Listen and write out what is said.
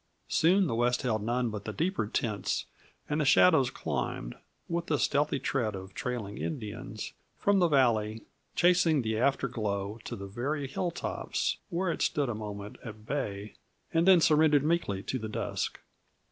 Soon the west held none but the deeper tints, and the shadows climbed, with the stealthy tread of trailing Indians, from the valley, chasing the after glow to the very hilltops, where it stood a moment at bay and then surrendered meekly to the dusk.